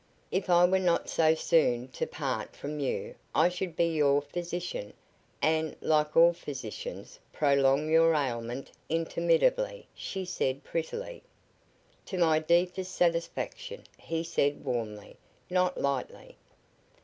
"If I were not so soon to part from you I should be your physician, and, like all physicians, prolong your ailment interminably," she said, prettily. "To my deepest satisfaction," he said, warmly, not lightly.